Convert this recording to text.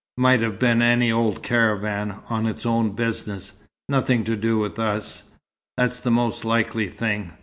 "Might have been any old caravan, on its own business nothing to do with us. That's the most likely thing.